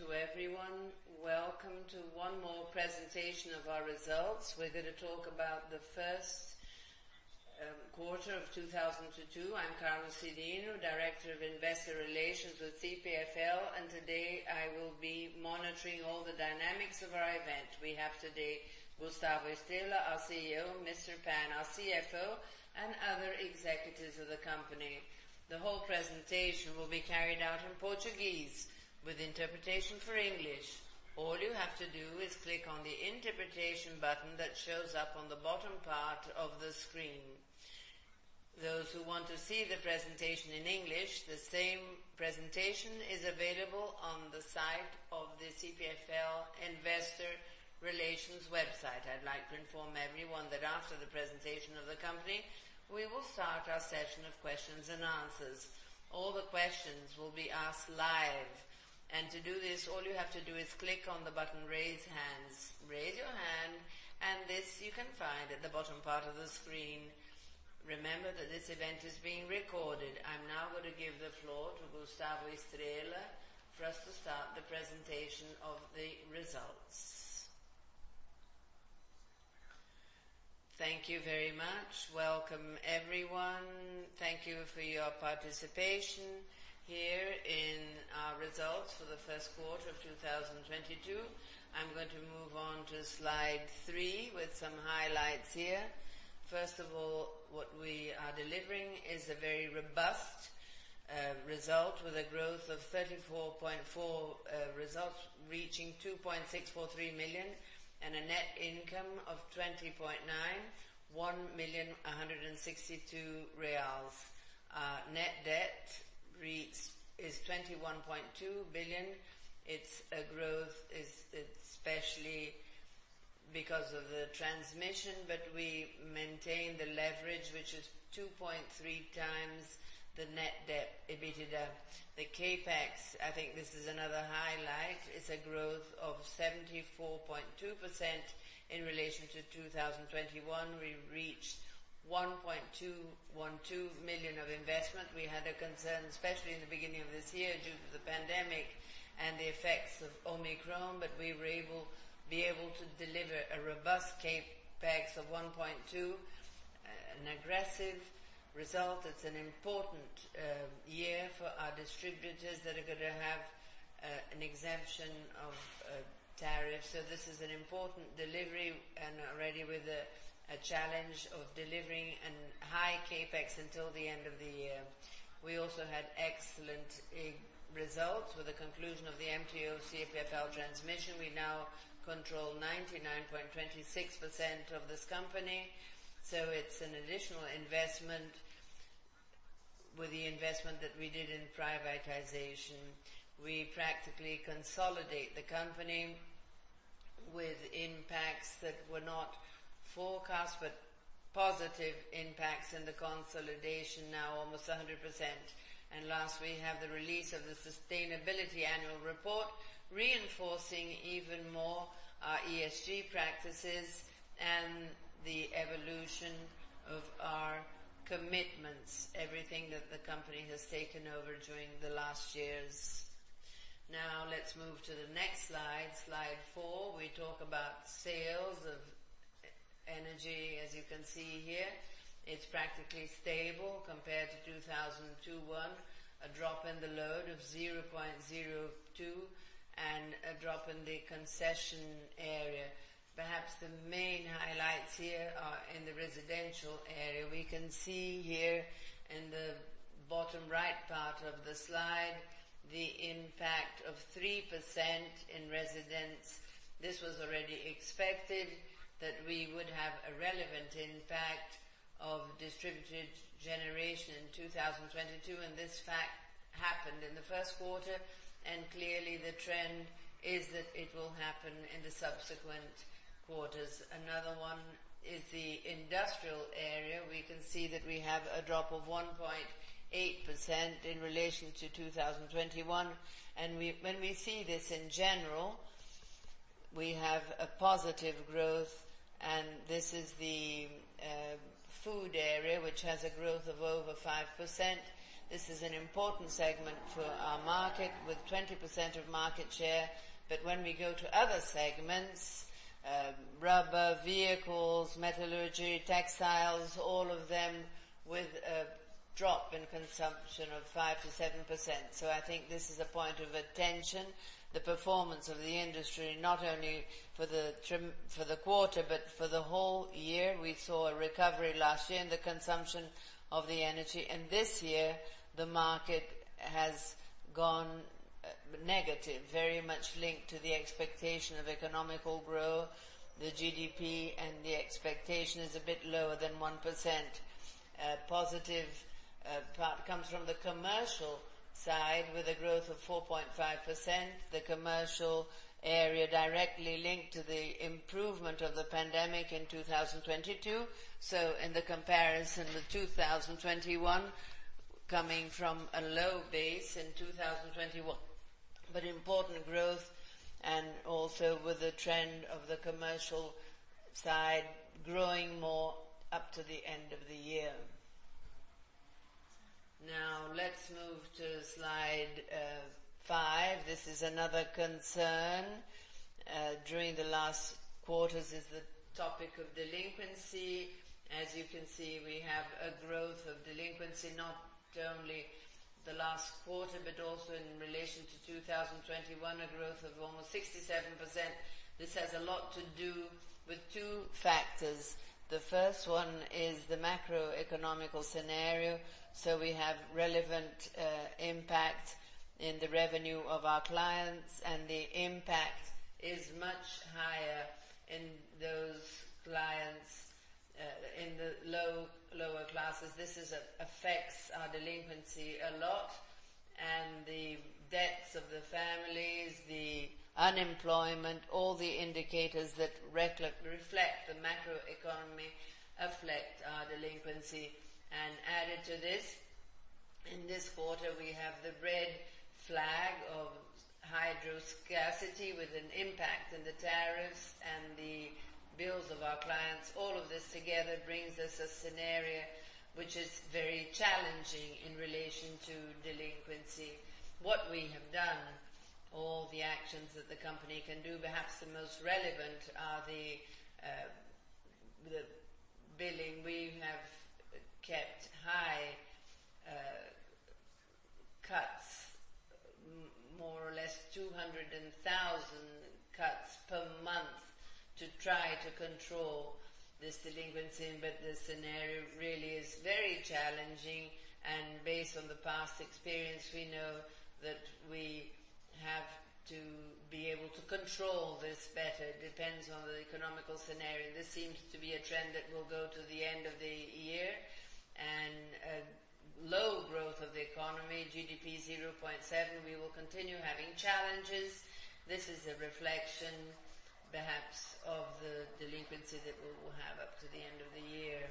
To everyone, welcome to one more presentation of our results. We're gonna talk about the first quarter of 2022. I'm Carlos Cyrino, Director of Investor Relations with CPFL, and today I will be monitoring all the dynamics of our event. We have today Gustavo Estrella, our CEO, Mr. Pan, our CFO, and other executives of the company. The whole presentation will be carried out in Portuguese with interpretation for English. All you have to do is click on the interpretation button that shows up on the bottom part of the screen. Those who want to see the presentation in English, the same presentation is available on the site of the CPFL Investor Relations website. I'd like to inform everyone that after the presentation of the company, we will start our session of questions and answers. All the questions will be asked live. To do this, all you have to do is click on the button Raise Hands. Raise your hand, and this you can find at the bottom part of the screen. Remember that this event is being recorded. I'm now gonna give the floor to Gustavo Estrella for us to start the presentation of the results. Thank you very much. Welcome, everyone. Thank you for your participation here in our results for the first quarter of 2022. I'm going to move on to slide three with some highlights here. First of all, what we are delivering is a very robust result with a growth of 34.4% results reaching 2.643 million and a net income of 20.91 million, 162 reais. Our net debt is 21.2 billion. Its growth is especially because of the transmission, but we maintain the leverage, which is 2.3x the net debt, EBITDA. The CapEx, I think this is another highlight. It is a growth of 74.2% in relation to 2021. We reached 1.212 billion of investment. We had a concern, especially in the beginning of this year due to the pandemic and the effects of Omicron, but we were able to deliver a robust CapEx of 1.2 billion, an aggressive result. It is an important year for our distributors that are gonna have an exemption of tariff. This is an important delivery and already with a challenge of delivering and high CapEx until the end of the year. We also had excellent results with the conclusion of the M&A CPFL Transmissão. We now control 99.26% of this company. It's an additional investment. With the investment that we did in privatization, we practically consolidate the company with impacts that were not forecast, but positive impacts in the consolidation now almost 100%. Last, we have the release of the sustainability annual report, reinforcing even more our ESG practices and the evolution of our commitments, everything that the company has taken over during the last years. Now let's move to the next slide four. We talk about sales of energy. As you can see here, it's practically stable compared to 2021, a drop in the load of 0.02% and a drop in the concession area. Perhaps the main highlights here are in the residential area. We can see here in the bottom right part of the slide, the impact of 3% in residents. This was already expected that we would have a relevant impact of distributed generation in 2022, and this fact happened in the first quarter, and clearly the trend is that it will happen in the subsequent quarters. Another one is the industrial area. We can see that we have a drop of 1.8% in relation to 2021. When we see this in general, we have a positive growth, and this is the food area, which has a growth of over 5%. This is an important segment for our market with 20% of market share. When we go to other segments, rubber, vehicles, metallurgy, textiles, all of them with a drop in consumption of 5%-7%. I think this is a point of attention, the performance of the industry, not only for the quarter, but for the whole year. We saw a recovery last year in the consumption of the energy. This year, the market has gone negative, very much linked to the expectation of economic growth, the GDP, and the expectation is a bit lower than 1%. A positive part comes from the commercial side with a growth of 4.5%, the commercial area directly linked to the improvement of the pandemic in 2022. In the comparison with 2021, coming from a low base in 2021, but important growth and also with the trend of the commercial side growing more up to the end of the year. Now let's move to slide five. This is another concern during the last quarters is the topic of delinquency. As you can see, we have a growth of delinquency, not only the last quarter but also in relation to 2021, a growth of almost 67%. This has a lot to do with two factors. The first one is the macroeconomic scenario. So we have relevant impact in the revenue of our clients, and the impact is much higher in those clients in the lower classes. This affects our delinquency a lot and the debts of the families, the unemployment, all the indicators that reflect the macro economy afflict our delinquency. Added to this, in this quarter, we have the red flag of hydro scarcity with an impact in the tariffs and the bills of our clients. All of this together brings us a scenario which is very challenging in relation to delinquency. What we have done, all the actions that the company can do, perhaps the most relevant are the billing. We have kept high cuts, more or less 200,000 cuts per month to try to control this delinquency. The scenario really is very challenging, and based on the past experience, we know that we have to be able to control this better. It depends on the economical scenario. This seems to be a trend that will go to the end of the year. Low growth of the economy, GDP 0.7%, we will continue having challenges. This is a reflection, perhaps, of the delinquency that we will have up to the end of the year.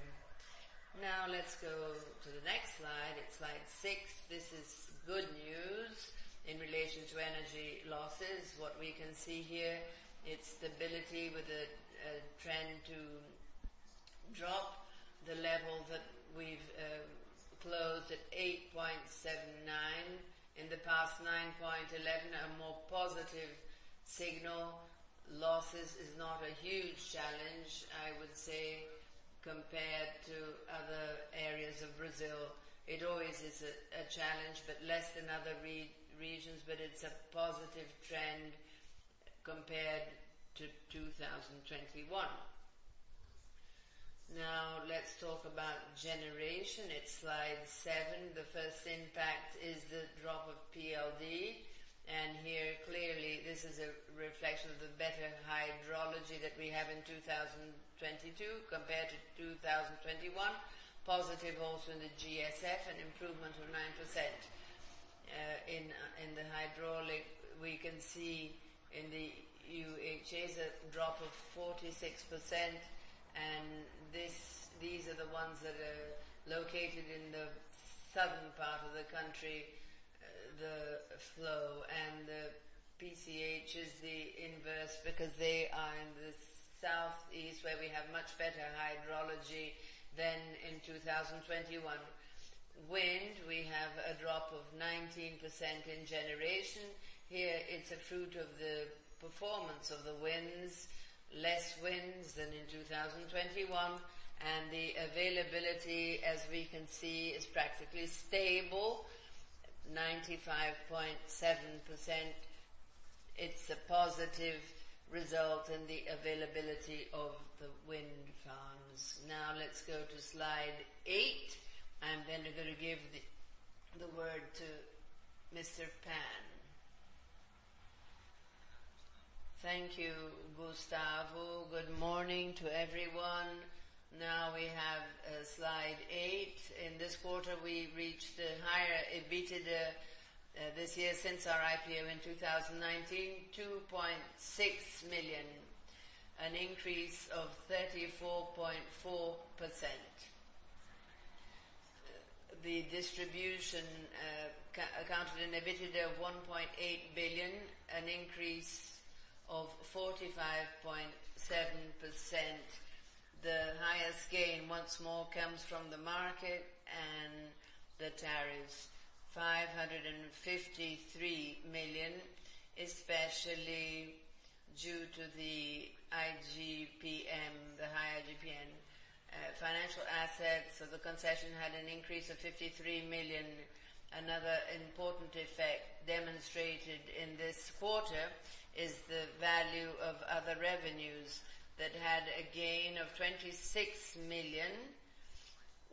Now let's go to the next slide. It's slide six. This is good news in relation to energy losses. What we can see here, it's stability with a trend to drop the level that we've closed at 8.79%. In the past, 9.11%, a more positive signal. Losses is not a huge challenge, I would say, compared to other areas of Brazil. It always is a challenge, but less than other regions, but it's a positive trend compared to 2021. Now let's talk about generation. It's slide seven. The first impact is the drop of PLD, and here clearly this is a reflection of the better hydrology that we have in 2022 compared to 2021. Positive also in the GSF, an improvement of 9%. In the hydraulic, we can see in the UHEs a drop of 46%, and these are the ones that are located in the southern part of the country, the flow. The PCH is the inverse because they are in the southeast where we have much better hydrology than in 2021. Wind, we have a drop of 19% in generation. Here it's a result of the performance of the winds, less winds than in 2021. The availability, as we can see, is practically stable, 95.7%. It's a positive result in the availability of the wind farms. Now let's go to slide eight. I'm then gonna give the word to Mr. Pan. Thank you, Gustavo. Good morning to everyone. Now we have slide eight. In this quarter, we reached the highest EBITDA this year since our IPO in 2019, 2.6 billion, an increase of 34.4%. The distribution accounted an EBITDA of 1.8 billion, an increase of 45.7%. The highest gain once more comes from the market and the tariffs, 553 million, especially due to the IGPM, the high IGPM. Financial assets of the concession had an increase of 53 million. Another important effect demonstrated in this quarter is the value of other revenues that had a gain of 26 million,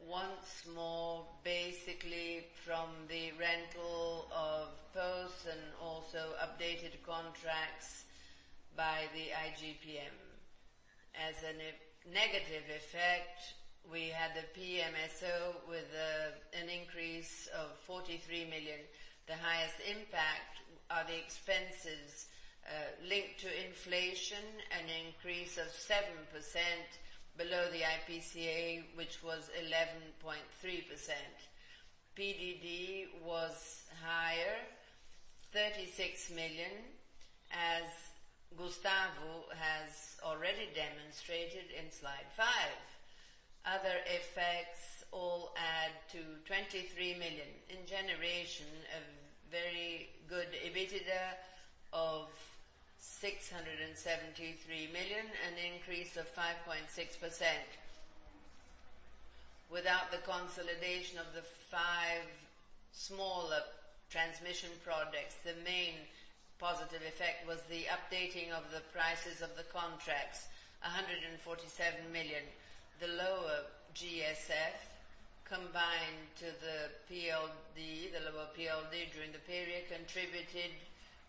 once more, basically from the rental of posts and also updated contracts by the IGPM. As a negative effect, we had the PMSO with an increase of 43 million. The highest impact are the expenses linked to inflation, an increase of 7% below the IPCA, which was 11.3%. PDD was higher 36 million, as Gustavo has already demonstrated in slide five. Other effects all add to 23 million in generation of very good EBITDA of 673 million, an increase of 5.6%. Without the consolidation of the five smaller transmission projects, the main positive effect was the updating of the prices of the contracts, 147 million. The lower GSF combined to the PLD, the lower PLD during the period contributed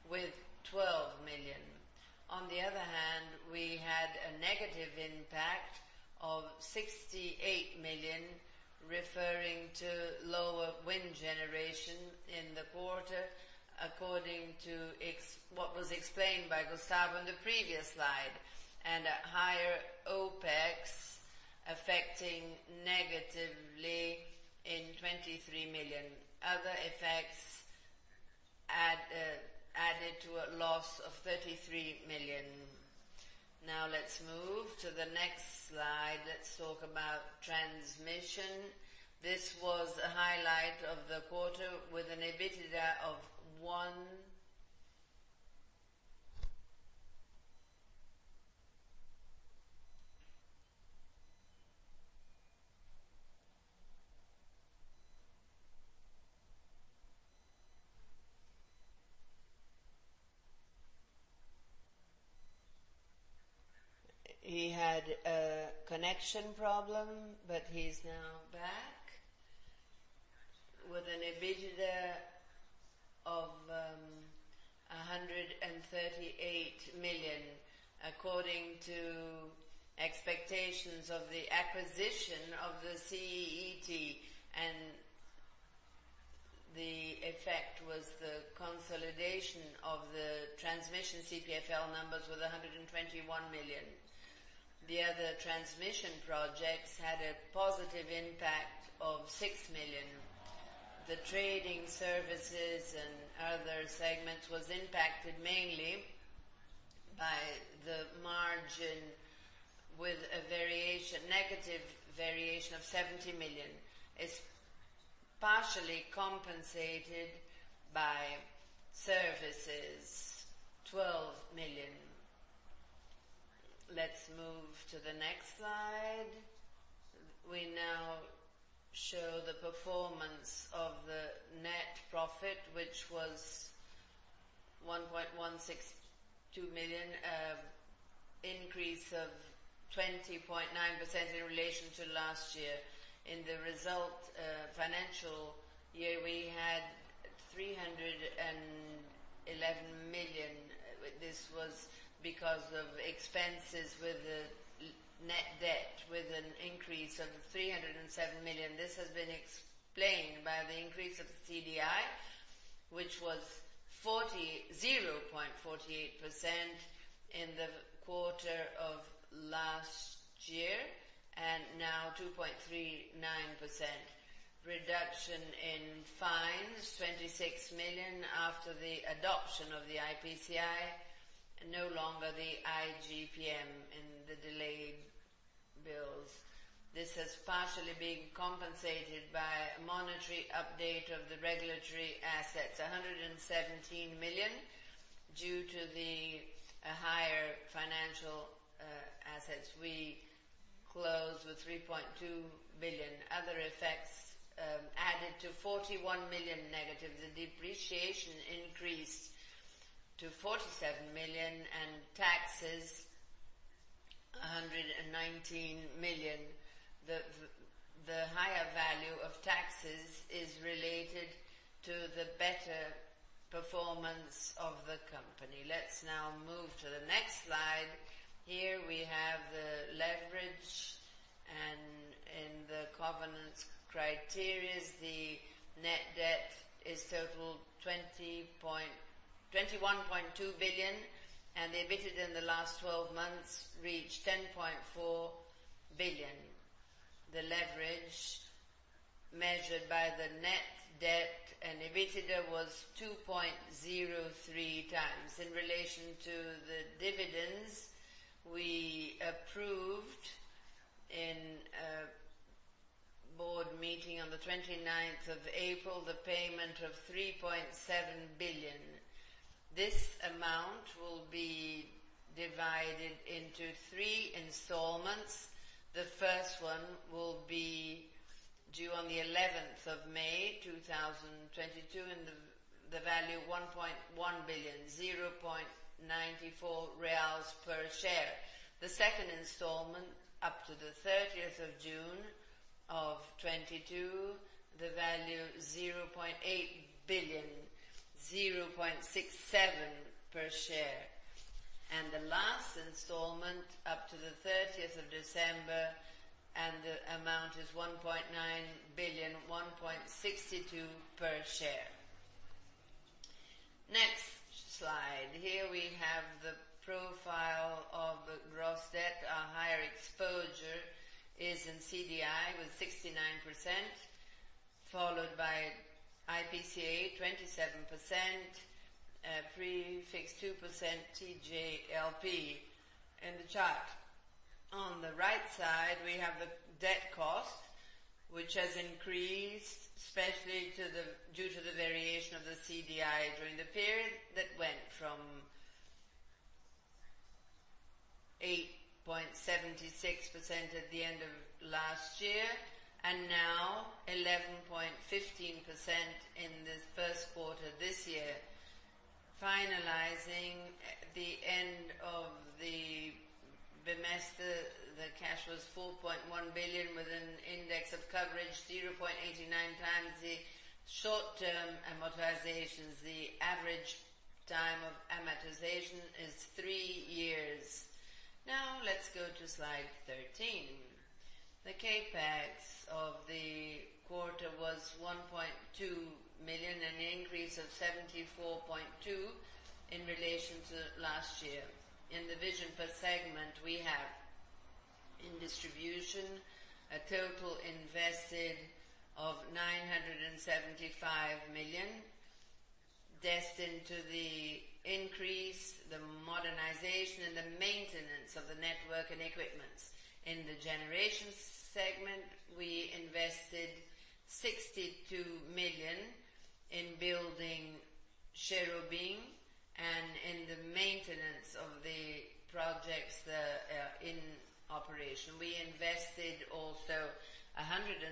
with 12 million. On the other hand, we had a negative impact of 68 million, referring to lower wind generation in the quarter, according to what was explained by Gustavo in the previous slide, and a higher OpEx affecting negatively in 23 million. Other effects added to a loss of 33 million. Now, let's move to the next slide. Let's talk about transmission. This was the highlight of the quarter with an EBITDA of... He had a connection problem, but he's now back. With an EBITDA of BRL 138 million according to expectations of the acquisition of the CEEE-T, and the effect was the consolidation of the CPFL Transmissão numbers with 121 million. The other transmission projects had a positive impact of 6 million. The trading services and other segments was impacted mainly by the margin with a negative variation of 70 million. It's partially compensated by services, BRL 12 million. Let's move to the next slide. We now show the performance of the net profit, which was 1.162 million, increase of 20.9% in relation to last year. In the result, financial year, we had 311 million. This was because of expenses with the net debt, with an increase of 307 million. This has been explained by the increase of the CDI, which was 0.48% in the quarter of last year, and now 2.39%. Reduction in fines, 26 million after the adoption of the IPCA, no longer the IGPM in the delayed bills. This has partially been compensated by a monetary update of the regulatory assets, 117 million, due to the higher financial assets. We closed with 3.2 billion. Other effects added to negative 41 million. The depreciation increased to 47 million and taxes, 119 million. The higher value of taxes is related to the better performance of the company. Let's now move to the next slide. Here we have the leverage and in the covenants criteria, the net debt is total 21.2 billion, and the EBITDA in the last twelve months reached 10.4 billion. The leverage measured by the net debt and EBITDA was 2.03 times. In relation to the dividends, we approved in a board meeting on the 29th of April, the payment of 3.7 billion. This amount will be divided into three installments. The first one will be due on the 11th of May, 2022, and the value 1.1 billion, 0.94 reais per share. The second installment up to the thirtieth of June 2022, the value 0.8 billion, 0.67 per share. The last installment up to the 30th of December, the amount is 1.9 billion, 1.62 per share. Here we have the profile of gross debt. Our higher exposure is in CDI with 69%, followed by IPCA 27%, prefix 2% TJLP in the chart. On the right side, we have the debt cost, which has increased, especially due to the variation of the CDI during the period that went from 8.76% at the end of last year and now 11.15% in the first quarter this year. Finalizing the end of the semester, the cash was 4.1 billion with an index of coverage 0.89x the short-term amortizations. The average time of amortization is three years. Now let's go to slide 13. The CapEx of the quarter was 1.2 million, an increase of 74.2% in relation to last year. In division per segment, we have in distribution a total invested of 975 million destined to the increase, the modernization, and the maintenance of the network and equipment. In the generation segment, we invested 62 million in building Cherobim and in the maintenance of the projects that are in operation. We invested also 170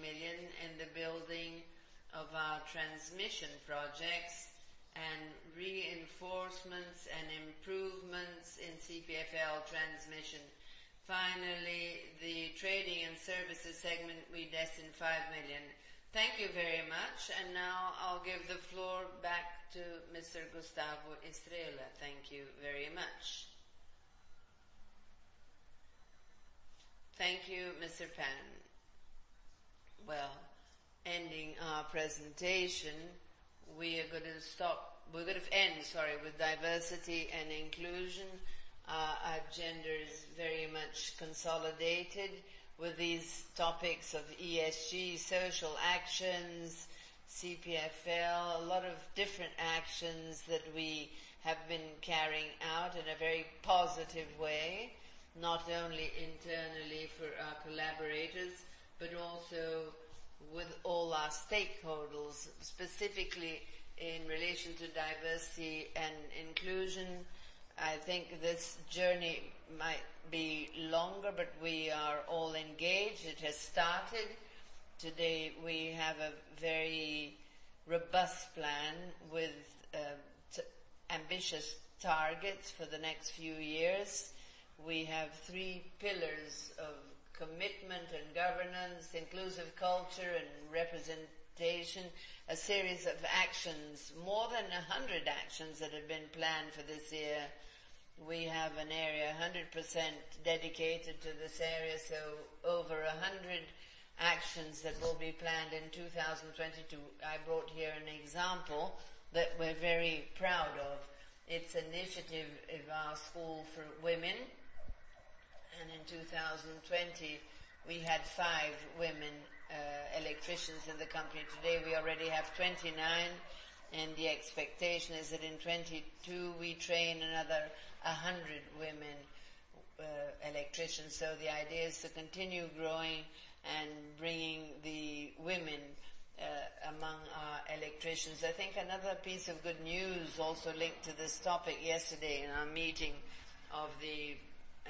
million in the building of our transmission projects and reinforcements and improvements in CPFL Transmissão. Finally, the trading and services segment, we destined 5 million. Thank you very much. Now I'll give the floor back to Mr. Gustavo Estrella. Thank you very much. Thank you, Mr. Pan. Well, ending our presentation, we're gonna end, sorry, with diversity and inclusion. Our agenda is very much consolidated with these topics of ESG social actions, CPFL, a lot of different actions that we have been carrying out in a very positive way, not only internally for our collaborators, but also with all our stakeholders, specifically in relation to diversity and inclusion. I think this journey might be longer, but we are all engaged. It has started. Today, we have a very robust plan with ambitious targets for the next few years. We have three pillars of commitment and governance, inclusive culture and representation, a series of actions, more than 100 actions that have been planned for this year. We have an area 100% dedicated to this area, so over 100 actions that will be planned in 2022. I brought here an example that we're very proud of. It's initiative of our school for women. In 2020, we had five women, electricians in the company. Today, we already have 29, and the expectation is that in 2022, we train another 100 women, electricians. The idea is to continue growing and bringing the women, among our electricians. I think another piece of good news also linked to this topic yesterday in our meeting of the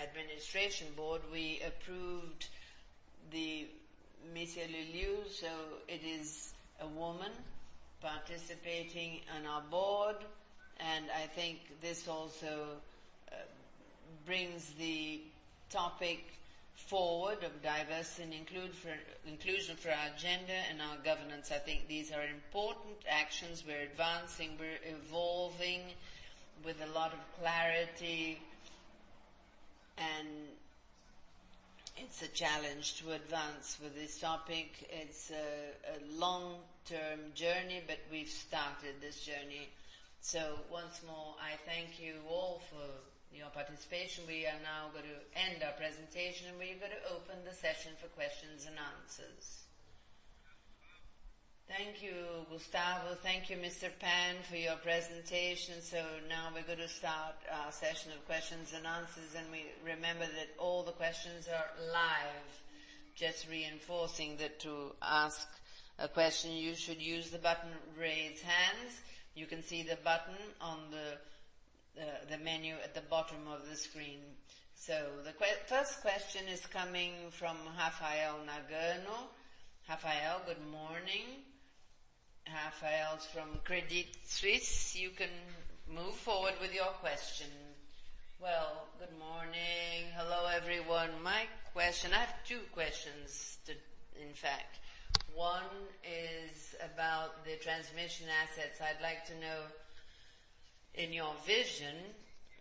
administration board, we approved the It is a woman participating on our board, and I think this also, brings the topic forward of inclusion for our gender and our governance. I think these are important actions. We're advancing, we're evolving with a lot of clarity, and it's a challenge to advance with this topic. It's a long-term journey, but we've started this journey. Once more, I thank you all for your participation. We are now going to end our presentation, and we're going to open the session for questions and answers. Thank you, Gustavo. Thank you, Mr. Pan, for your presentation. Now we're going to start our session of questions and answers, and we remember that all the questions are live. Just reinforcing that to ask a question, you should use the button, Raise Hands. You can see the button on the menu at the bottom of the screen. The first question is coming from Rafael Nagano. Rafael, good morning. Rafael is from Credit Suisse. You can move forward with your question. Well, good morning. Hello, everyone. I have two questions, in fact. One is about the transmission assets. I'd like to know, in your vision,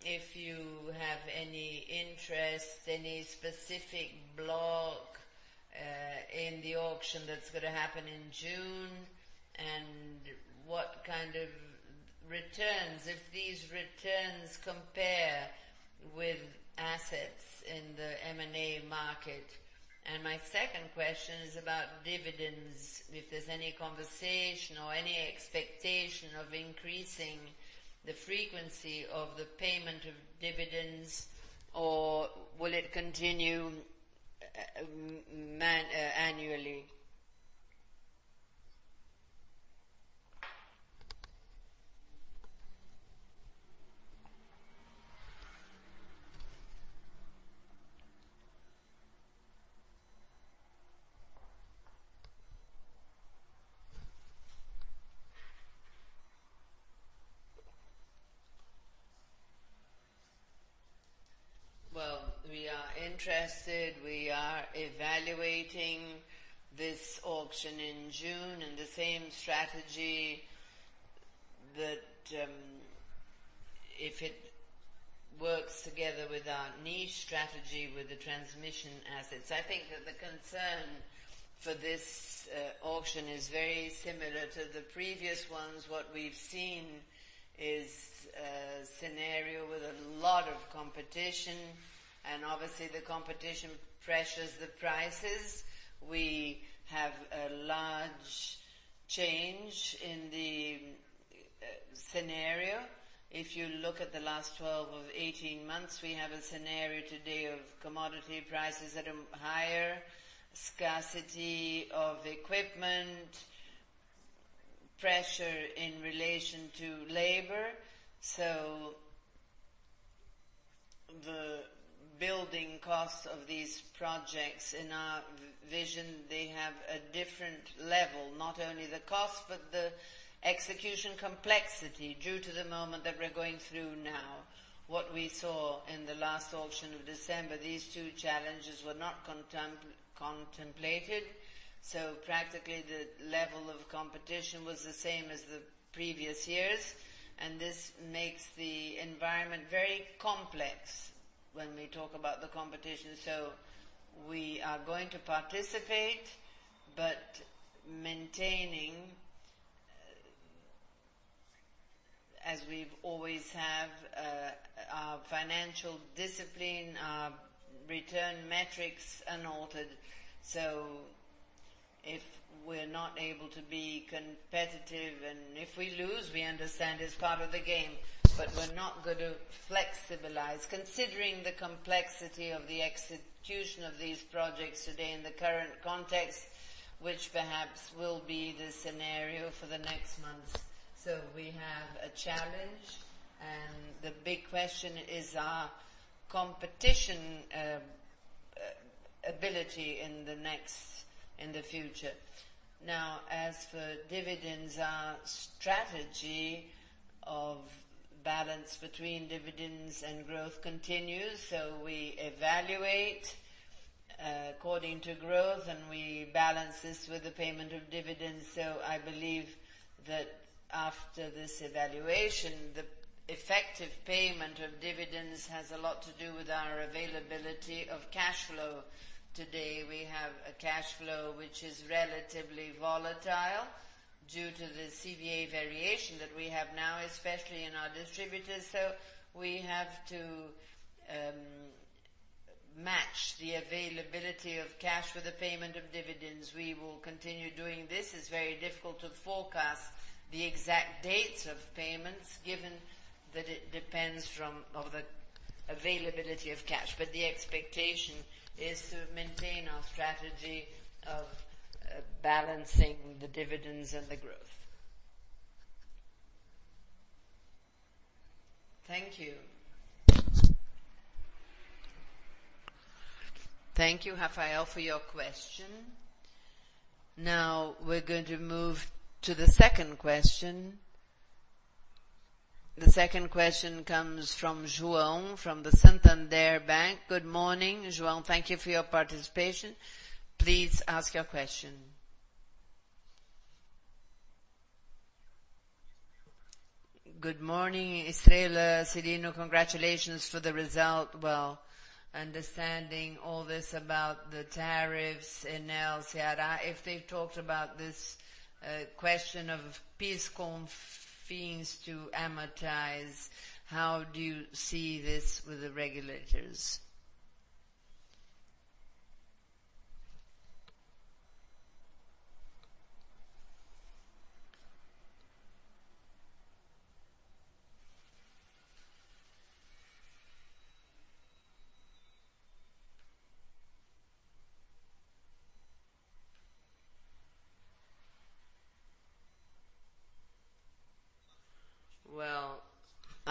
if you have any interest, any specific block, in the auction that's gonna happen in June, and what kind of returns, if these returns compare with assets in the M&A market. My second question is about dividends, if there's any conversation or any expectation of increasing the frequency of the payment of dividends, or will it continue annually? Well, we are interested, we are evaluating this auction in June, and the same strategy that, if it works together with our niche strategy with the transmission assets. I think that the concern for this auction is very similar to the previous ones. What we've seen is a scenario with a lot of competition, and obviously the competition pressures the prices. We have a large change in the scenario. If you look at the last 12 of 18 months, we have a scenario today of commodity prices that are higher, scarcity of equipment, pressure in relation to labor. The building costs of these projects, in our vision, they have a different level, not only the cost, but the execution complexity due to the moment that we're going through now. What we saw in the last auction of December, these two challenges were not contemplated, so practically the level of competition was the same as the previous years, and this makes the environment very complex when we talk about the competition. We are going to participate, but maintaining, as we've always have, our financial discipline, our return metrics unaltered. If we're not able to be competitive and if we lose, we understand it's part of the game. We're not going to flexibilize considering the complexity of the execution of these projects today in the current context, which perhaps will be the scenario for the next months. We have a challenge, and the big question is our competitive ability in the future. Now, as for dividends, our strategy of balance between dividends and growth continues. We evaluate according to growth, and we balance this with the payment of dividends. I believe that after this evaluation, the effective payment of dividends has a lot to do with our availability of cash flow. Today, we have a cash flow which is relatively volatile due to the CVA variation that we have now, especially in our distributors. We have to match the availability of cash for the payment of dividends. We will continue doing this. It's very difficult to forecast the exact dates of payments given that it depends on the availability of cash. The expectation is to maintain our strategy of balancing the dividends and the growth. Thank you. Thank you, Rafael, for your question. Now we're going to move to the second question. The second question comes from João from the Santander Bank. Good morning, João, thank you for your participation. Please ask your question. Good morning, Estrella. Cyrino, congratulations for the result. Well, understanding all this about the tariffs, Enel, CEEE, if they've talked about this, question of PIS/COFINS to amortize, how do you see this with the regulators?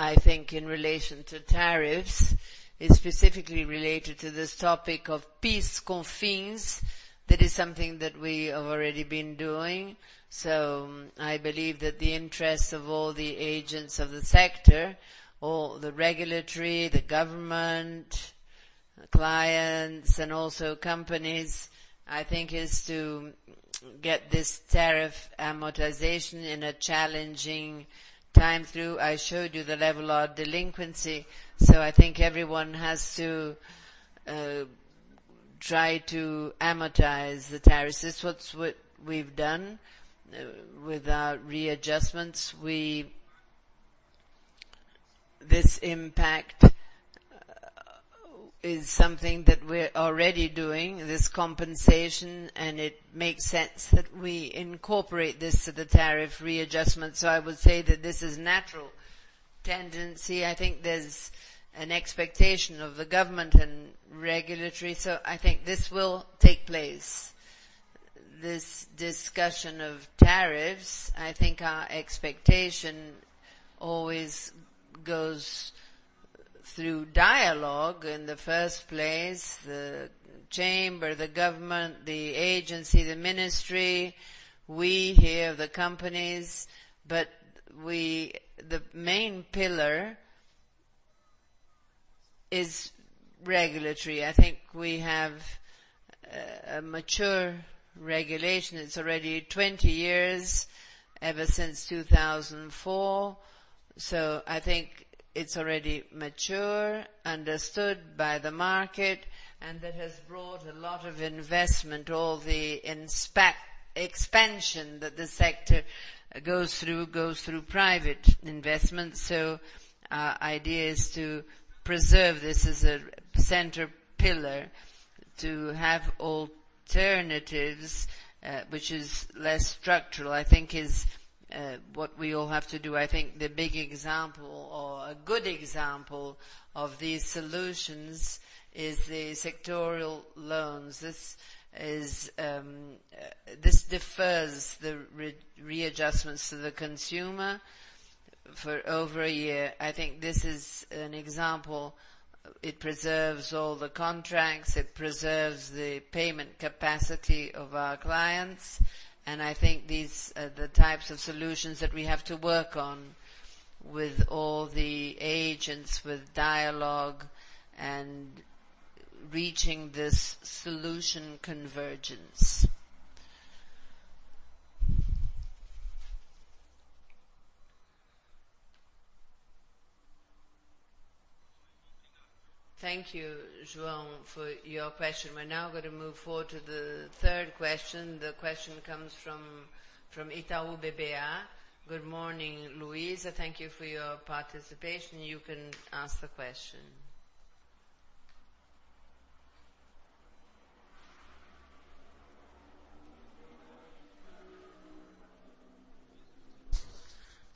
Well, I think in relation to tariffs, it's specifically related to this topic of PIS/COFINS. That is something that we have already been doing. I believe that the interests of all the agents of the sector, all the regulatory, the government, clients and also companies, I think is to get this tariff amortization in a challenging time through. I showed you the level of delinquency. I think everyone has to try to amortize the tariffs. This is what we've done. With our readjustments, this impact is something that we're already doing, this compensation, and it makes sense that we incorporate this to the tariff readjustment. I would say that this is natural tendency. I think there's an expectation of the government and regulatory. I think this will take place. This discussion of tariffs, I think our expectation always goes through dialogue in the first place, the chamber, the government, the agency, the ministry, we hear the companies, the main pillar is regulatory. I think we have a mature regulation. It's already 20 years, ever since 2004. I think it's already mature, understood by the market, and that has brought a lot of investment. All the expansion that the sector goes through private investment. Our idea is to preserve this as a center pillar to have alternatives, which is less structural, I think is, what we all have to do. I think the big example or a good example of these solutions is the sectorial loans. This is, this defers the readjustments to the consumer for over a year. I think this is an example. It preserves all the contracts, it preserves the payment capacity of our clients, and I think these are the types of solutions that we have to work on with all the agents, with dialogue and reaching this solution convergence. Thank you, João, for your question. We're now gonna move forward to the third question. The question comes from Itaú BBA. Good morning, Luiza. Thank you for your participation. You can ask the question.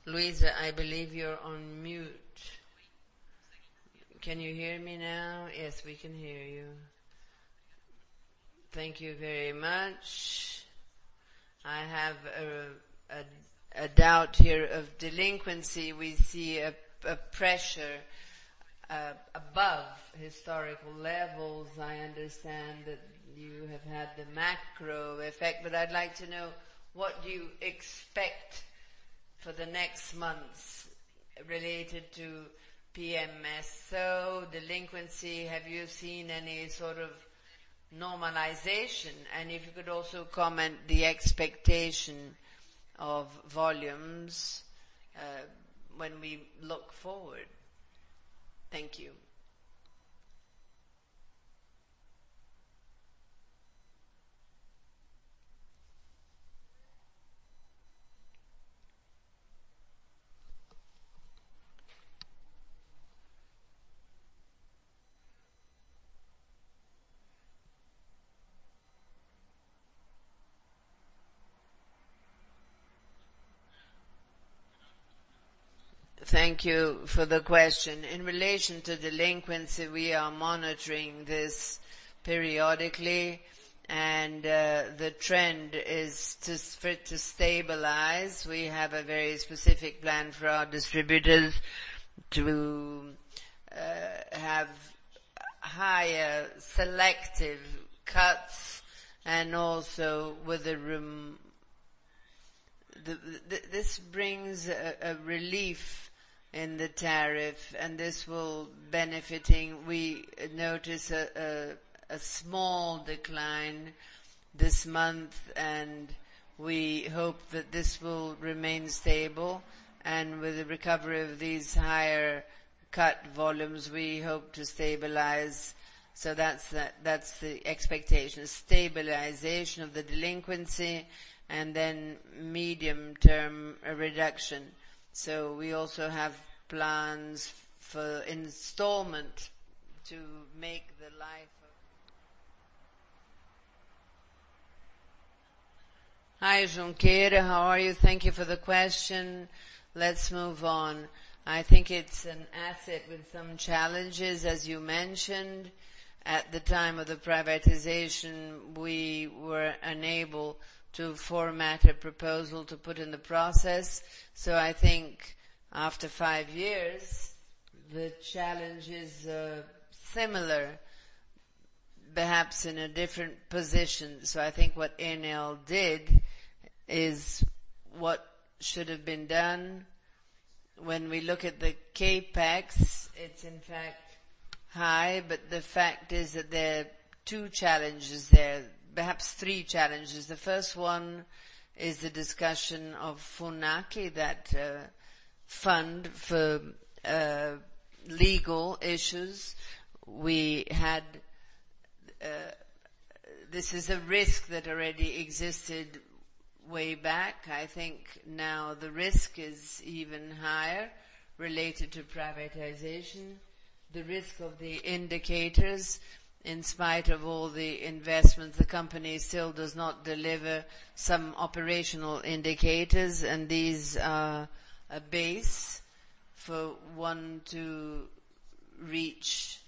Luiza, I believe you're on mute. Wait a second. Can you hear me now? Yes, we can hear you. Thank you very much. I have a doubt here of delinquency. We see a pressure above historical levels. I understand that you have had the macro effect, but I'd like to know what you expect for the next months related to PMSO. Delinquency, have you seen any sort of normalization? And if you could also comment on the expectation of volumes, when we look forward. Thank you. Thank you for the question. In relation to delinquency, we are monitoring this periodically, and the trend is for it to stabilize. We have a very specific plan for our distributors to have higher selective cuts and also with the room. This brings a relief in the tariff, and this will benefit. We notice a small decline this month, and we hope that this will remain stable. With the recovery of these higher cut volumes, we hope to stabilize. That's the expectation, stabilization of the delinquency and then medium-term reduction. We also have plans for installment to make the life of Hi, Junqueira. How are you? Thank you for the question. Let's move on. I think it's an asset with some challenges, as you mentioned. At the time of the privatization, we were unable to format a proposal to put in the process. I think after five years, the challenges are similar, perhaps in a different position. I think what Enel did is what should have been done. When we look at the CapEx, it's in fact high, but the fact is that there are two challenges there, perhaps three challenges. The first one is the discussion of FUNACEF, that fund for legal issues. This is a risk that already existed way back. I think now the risk is even higher related to privatization. The risk of the indicators, in spite of all the investments, the company still does not deliver some operational indicators, and these are a base for one to reach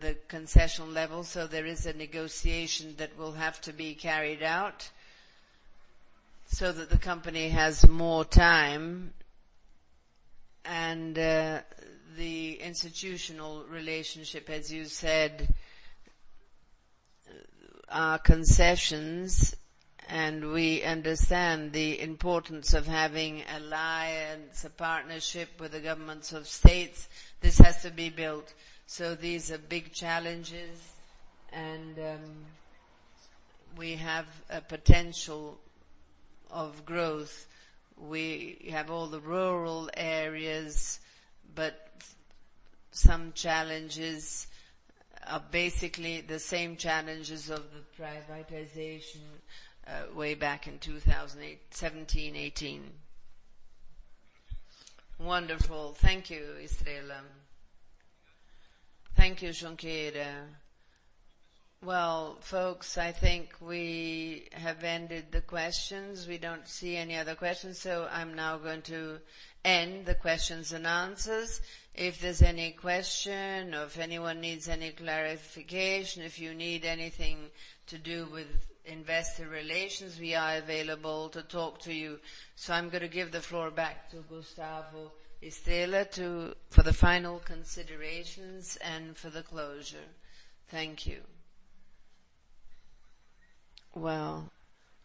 the concessional level. There is a negotiation that will have to be carried out so that the company has more time. The institutional relationship, as you said, are concessions, and we understand the importance of having alliance, a partnership with the governments of states. This has to be built. These are big challenges. We have a potential of growth. We have all the rural areas, but some challenges are basically the same challenges of the privatization way back in 2008, 2017, 2018. Wonderful. Thank you, Estrella. Thank you, Junqueira. Well, folks, I think we have ended the questions. We don't see any other questions, I'm now going to end the questions and answers. If there's any question or if anyone needs any clarification, if you need anything to do with investor relations, we are available to talk to you. I'm gonna give the floor back to Gustavo Estrella to for the final considerations and for the closure. Thank you. Well,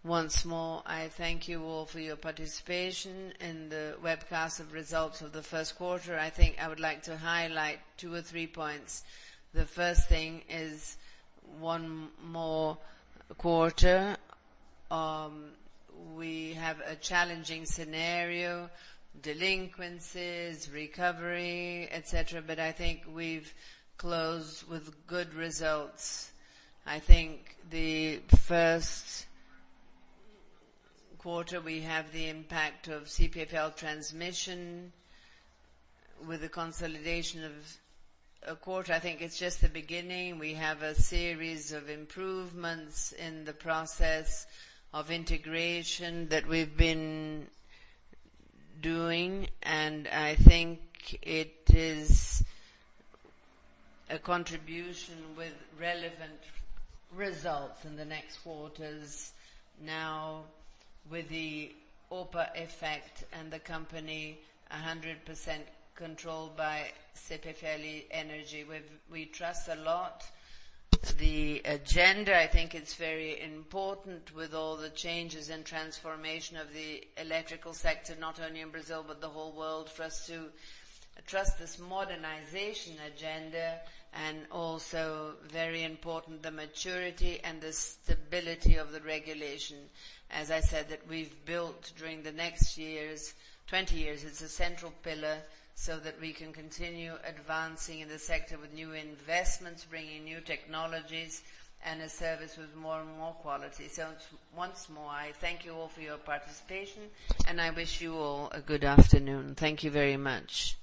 once more, I thank you all for your participation in the webcast of results of the first quarter. I think I would like to highlight two or three points. The first thing is one more quarter. We have a challenging scenario, delinquencies, recovery, et cetera, but I think we've closed with good results. I think the first quarter we have the impact of CPFL Transmissão with the consolidation of a quarter. I think it's just the beginning. We have a series of improvements in the process of integration that we've been doing, and I think it is a contribution with relevant results in the next quarters. Now with the OPA effect and the company 100% controlled by CPFL Energia, we trust a lot the agenda. I think it's very important with all the changes and transformation of the electrical sector, not only in Brazil but the whole world, for us to trust this modernization agenda and also, very important, the maturity and the stability of the regulation, as I said, that we've built during the next years, 20 years. It's a central pillar so that we can continue advancing in the sector with new investments, bringing new technologies, and a service with more and more quality. Once more, I thank you all for your participation, and I wish you all a good afternoon. Thank you very much.